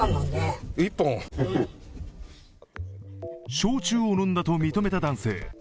焼酎を飲んだと認めた男性。